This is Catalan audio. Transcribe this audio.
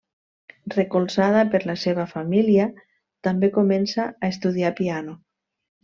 Recolzada per la seva família, també comença a estudiar piano.